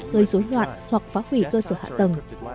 gây dối loạn hoặc phá hủy cơ sở hạ tầng